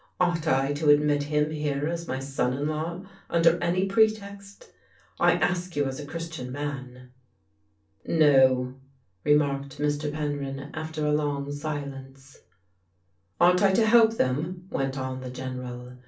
Ought I to admit him here as my son in law under any pretext? I ask you as a Christian man." " No," remarked Mr. Penryn after a long silence. "Ought I to help them?" went on the General.